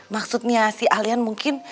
maksudnya si alien mungkin